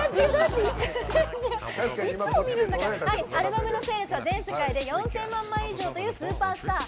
アルバムのセールスは全世界で４０００万枚以上というスーパースター。